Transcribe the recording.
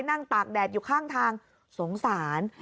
ตากแดดอยู่ข้างทางสงสาร